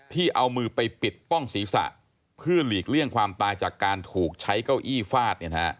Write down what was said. ที่เอามือไปปิดป้องศีรษะเพื่อหลีกเลี่ยงความตายจากการถูกใช้เก้าอี้ฟาด